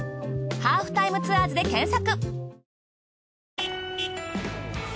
『ハーフタイムツアーズ』で検索！